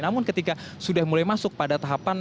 namun ketika sudah mulai masuk pada tahapan